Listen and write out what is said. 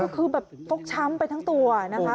คือแบบฟกช้ำไปทั้งตัวนะคะ